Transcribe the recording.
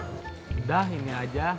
udah ini aja